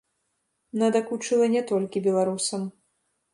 Надакучыла не толькі беларусам.